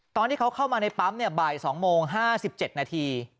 ตอนที่เขาเข้ามาในปั๊มบ่าย๒โมง๕๗นาที